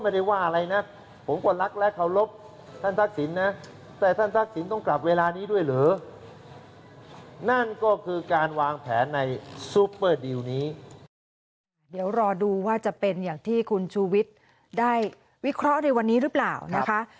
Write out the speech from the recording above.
เดี๋ยวรอดูว่าจะเป็นอย่างที่คุณชูวิทย์ได้วิเคราะห์ในวันนี้หรือเปล่านะคะ